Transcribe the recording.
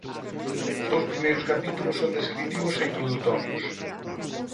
Os dous primeiros capítulos son descritivos e introdutorios.